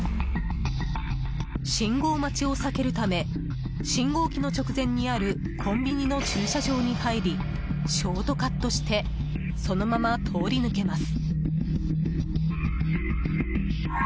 信号待ちを避けるため信号機の直前にあるコンビニの駐車場に入りショートカットしてそのまま通り抜けます。